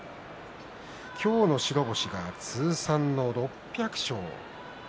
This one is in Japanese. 今日の白星が通算の６００勝です。